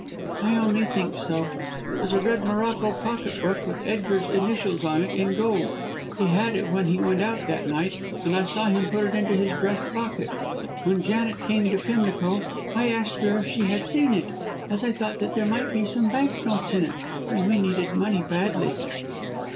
"I only think so. It was a red Morocco pocket book with Edgar's initials on it in gold. He had it when he went out that night, and I saw him put it into his breast pocket. When Janet came to Pimlico I asked her if she had seen it, as I thought that there might be some bank notes in it, and we needed money badly."